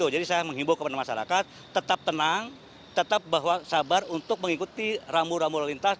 jadi saya menghibur kepada masyarakat tetap tenang tetap sabar untuk mengikuti rambu rambu lalu lintas